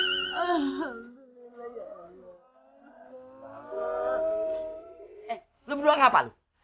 eh lu berdua ngapain